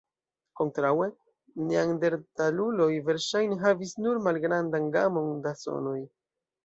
Kontraŭe, neandertaluloj verŝajne havis nur malgrandan gamon da sonoj.